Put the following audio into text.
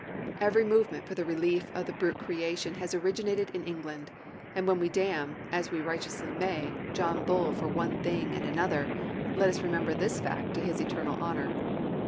Every movement for the relief of the brute creation has originated in England; and when we damn, as we righteously may, John Bull for one thing and another, let us remember this fact to his eternal honor!